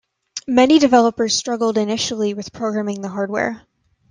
Many developers struggled initially with programming the hardware.